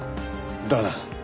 だな。